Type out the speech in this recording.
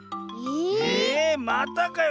え⁉またかよ。